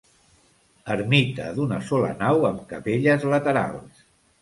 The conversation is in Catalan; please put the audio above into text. Ermita d'una sola nau, amb capelles laterals.